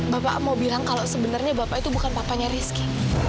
bapak mau bilang kalau sebenarnya bapak itu bukan papanya rizky